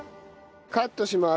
カットします。